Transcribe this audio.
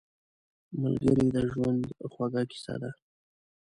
ملګری د ژوند خوږه کیسه ده